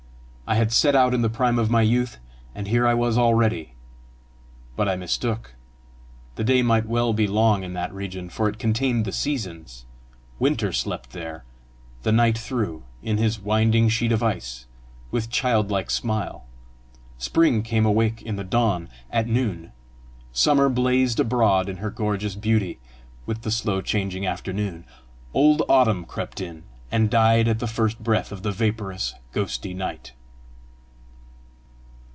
I had set out in the prime of my youth, and here I was already! But I mistook. The day might well be long in that region, for it contained the seasons. Winter slept there, the night through, in his winding sheet of ice; with childlike smile, Spring came awake in the dawn; at noon, Summer blazed abroad in her gorgeous beauty; with the slow changing afternoon, old Autumn crept in, and died at the first breath of the vaporous, ghosty night.